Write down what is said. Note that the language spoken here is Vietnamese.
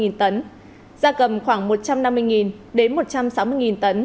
da cầm khoảng một trăm năm mươi đến một trăm sáu mươi tấn